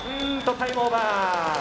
タイムオーバー。